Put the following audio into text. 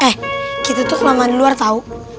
eh kita tuh kelamaran di luar tau